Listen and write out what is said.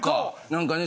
何かね